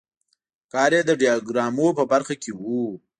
کار یې د ډیاګرامونو په برخه کې و.